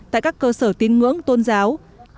tại các cơ sở tiến ngưỡng tôn giáo